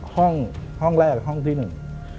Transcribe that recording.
ห้องห้องแรกห้องที่หนึ่ง